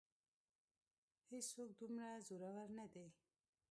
هېڅ څوک دومره زورور نه دی.